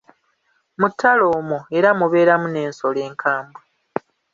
Mu ttale omwo era mubeeramu n'ensolo enkambwe.